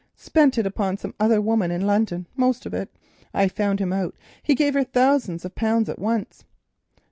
"Spent it upon some other woman in London—most of it. I found him out; he gave her thousands of pounds at once."